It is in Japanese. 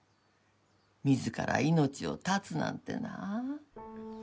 自ら命を絶つなんてなあ。